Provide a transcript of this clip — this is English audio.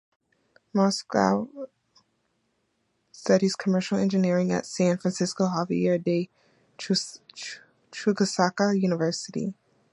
Moscoso studies commercial engineering at San Francisco Javier de Chuquisaca University.